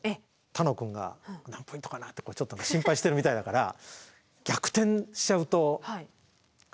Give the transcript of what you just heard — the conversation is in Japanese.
楽くんが何ポイントかなってちょっと心配してるみたいだから逆転しちゃうと悲しむかなと思って。